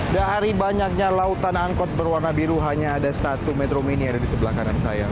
dari banyaknya lautan angkot berwarna biru hanya ada satu metro mini yang ada di sebelah kanan saya